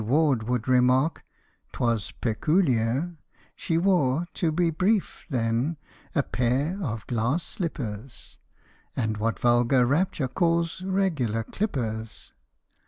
Ward would remark, 't was " pekoolier " She wore, to be brief, then, a pair of glass slippers, And what vulgar rapture calls " regular clippers